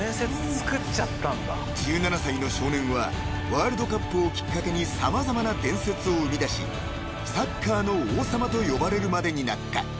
［１７歳の少年はワールドカップをきっかけに様々な伝説を生み出しサッカーの王様と呼ばれるまでになった］